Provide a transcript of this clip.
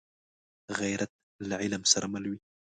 غیرت له علم سره مل وي